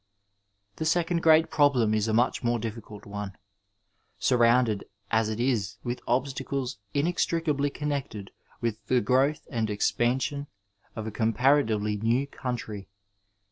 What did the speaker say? The second great problem is a much more difficult one, surrounded as it is with obstacles inextricably connected with the growth and expansion of a comparatively new country.